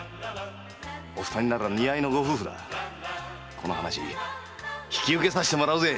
この話引き受けさせてもらうぜ！